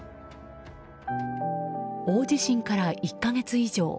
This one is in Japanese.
大地震から１か月以上。